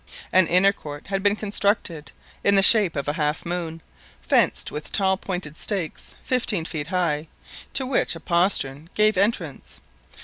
An inner court had been constructed, in the shape of a half moon, fenced with tall pointed stakes, fifteen feet high, to which a postern gave entrance.